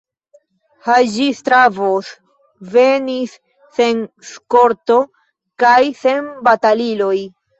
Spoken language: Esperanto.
Haĝi-Stavros venis, sen eskorto kaj sen bataliloj.